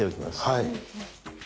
はい。